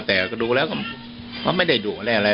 แต่ก็ดูแล้วว่าไม่ได้ดูอะไร